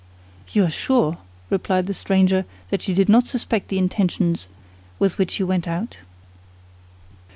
"You are sure," replied the stranger, "that she did not suspect the intentions with which you went out?"